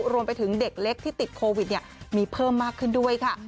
รวมไปถึงเด็กเล็กที่ติดโควิดมีเพิ่มมากขึ้นด้วยค่ะ